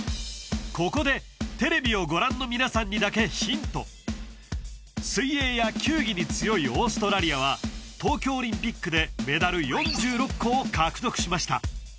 ここでテレビをご覧の皆さんにだけヒント水泳や球技に強いオーストラリアは東京オリンピックでメダル４６個で獲得しました